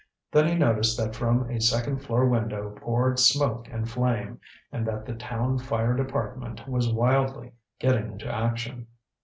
Then he noticed that from a second floor window poured smoke and flame, and that the town fire department was wildly getting into action.